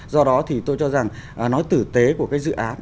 do đó thì tôi cho rằng nó tử tế của cái dự án